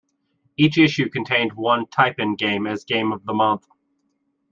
Each issue contained one type-in game as Game of the Month.